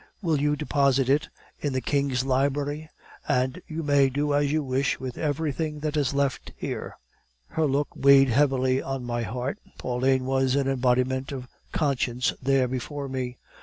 'Will you deposit it in the King's Library? And you may do as you wish with everything that is left here.' "Her look weighed heavily on my heart; Pauline was an embodiment of conscience there before me.